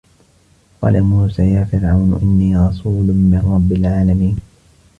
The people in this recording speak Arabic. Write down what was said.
وَقَالَ مُوسَى يَا فِرْعَوْنُ إِنِّي رَسُولٌ مِنْ رَبِّ الْعَالَمِينَ